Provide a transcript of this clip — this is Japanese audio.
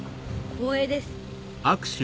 光栄です。